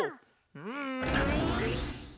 うん！